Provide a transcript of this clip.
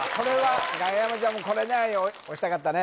影山ちゃんもこれね押したかったね